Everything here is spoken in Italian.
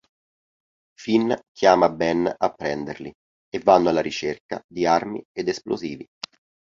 Fin chiama Ben a prenderli, e vanno alla ricerca di armi ed esplosivi.